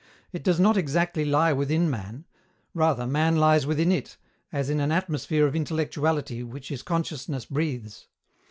It does not exactly lie within man; rather, man lies within it, as in an atmosphere of intellectuality which his consciousness breathes.